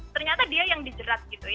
ternyata dia yang dijerat